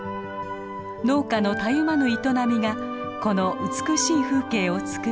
農家のたゆまぬ営みがこの美しい風景を作り